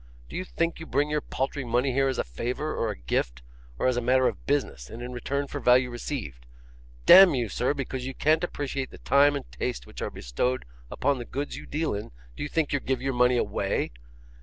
Do you think you bring your paltry money here as a favour or a gift; or as a matter of business, and in return for value received? D n you, sir, because you can't appreciate the time and taste which are bestowed upon the goods you deal in, do you think you give your money away?